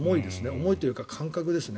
思いというか感覚ですね。